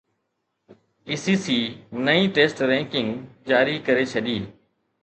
اي C C نئين test ranking جاري ڪري ڇڏي